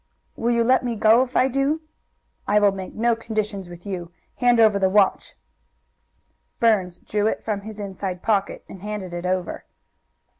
"Will you let me go if I do?" "I will make no conditions with you. Hand over the watch!" Burns drew it from his inside pocket and handed it over.